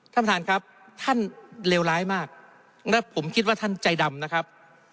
ท่านประธานครับท่านเลวร้ายมากและผมคิดว่าท่านใจดำนะครับ